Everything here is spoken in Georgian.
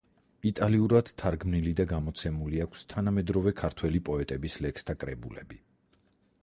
იტალიურად თარგმნილი და გამოცემული აქვს თანამედროვე ქართველი პოეტების ლექსთა კრებულები.